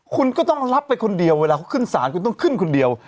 คุณก็ต้องรับไปคนเดียวว่าเขาขึ้นศาตร์ว่าแล้วเคยต้องขึ้นคนเดียว